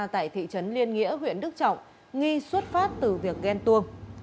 tại thị trấn liên nghĩa huyện đức trọng nghi xuất phát từ việc ghen tuông